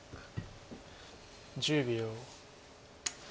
１０秒。